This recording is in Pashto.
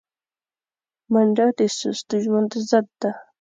منډه د سست ژوند ضد ده